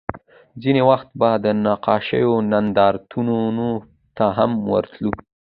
ځینې وخت به د نقاشیو نندارتونونو ته هم ورتلو